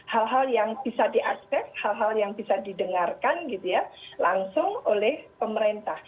hal hal yang bisa diakses hal hal yang bisa didengarkan gitu ya langsung oleh pemerintah